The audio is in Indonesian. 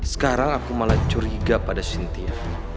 sekarang aku malah curiga pada sintia